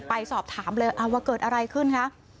ไปสอบถามเลยว่าเกิดอะไรขึ้นคะ